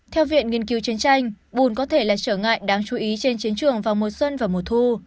theo viện nghiên cứu chiến tranh bùn có thể là trở ngại đáng chú ý trên chiến trường vào mùa xuân và mùa thu